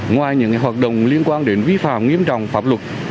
ngoài những hoạt động liên quan đến vi phạm nghiêm trọng pháp luật